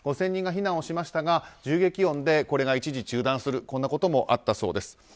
５０００人が避難をしましたが銃撃音で一時中断することもあったそうです。